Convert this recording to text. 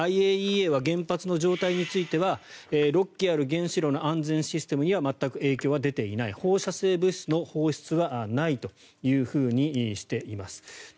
ＩＡＥＡは原発の状態については６基ある原子炉の安全システムには全く影響は出ていない放射性物質の放出はないとしています。